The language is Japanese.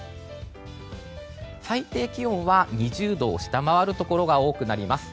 最低気温は２０度を下回るところが多くなります。